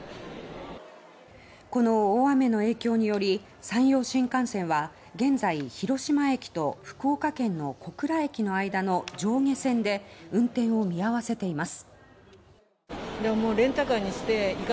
この大雨の影響により山陽新幹線は現在広島駅と福岡県の小倉駅の間の上下線で運転を見合わせています。